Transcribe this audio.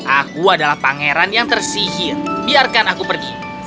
aku adalah pangeran yang tersihir biarkan aku pergi